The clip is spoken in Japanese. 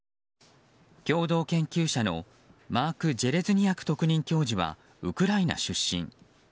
共同研究者のマーク・ジェレズニヤク特任教授はウクライナ出身。